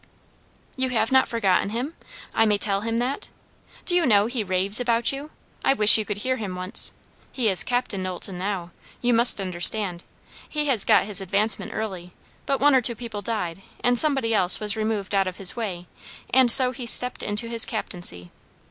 "You have not forgotten him? I may tell him that? Do you know, he raves about you? I wish you could hear him once. He is Captain Knowlton now, you must understand; he has got his advancement early; but one or two people died, and somebody else was removed out of his way; and so he stepped into his captaincy.